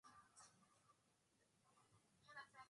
kidogo kwa kutatua shida ya ethnogenesis ya watu waliopewa